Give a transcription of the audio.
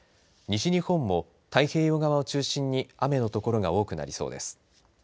西日本も太平洋側を中心に雨の所が多くなりそうです。